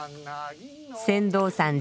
船頭さん